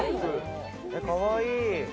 かわいい！